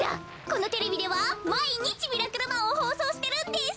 このテレビではまいにち「ミラクルマン」をほうそうしてるんです。